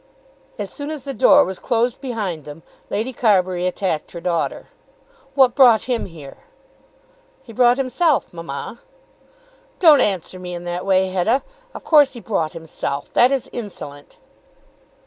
As soon as the door was closed behind them Lady Carbury attacked her daughter. "What brought him here?" "He brought himself, mamma." "Don't answer me in that way, Hetta. Of course he brought himself. That is insolent."